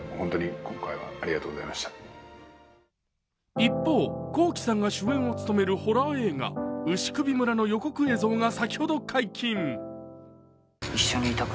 一方、Ｋｏｋｉ，さんが主演を務めるホラー映画「牛首村」の予告映像が先ほど解禁。